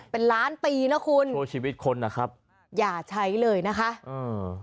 เป็นล้านปีนะคุณโอ้ชีวิตคนนะครับอย่าใช้เลยนะคะอืม